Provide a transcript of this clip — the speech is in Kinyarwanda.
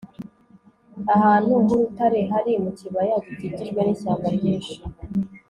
ahantu h'urutare hari mu kibaya gikikijwe n'ishyamba ryinshi